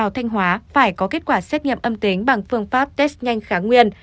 thanh hóa phải có kết quả xét nghiệm âm tính bằng phương pháp test nhanh kháng nguyên